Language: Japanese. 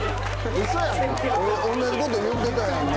俺同じこと言うてたやんな。